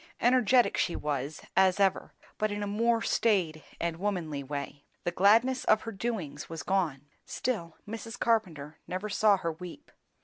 Energetic she was, as ever, but in a more staid and womanly way; the gladness of her doings was gone. Still, Mrs. Carpenter never saw her weep.